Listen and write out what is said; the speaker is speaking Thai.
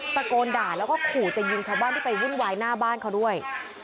ตะโกนด่าแล้วก็ขู่จะยิงชาวบ้านที่ไปวุ่นวายหน้าบ้านเขาด้วย